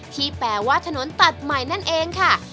ที่แปลว่าถนนตัดใหม่นั่นเองค่ะ